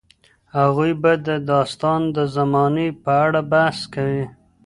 هغوی به د داستان د زمانې په اړه بحث کوي.